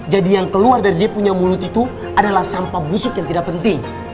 jadi yang keluar dari dia punya mulut itu adalah sampah busuk yang tidak penting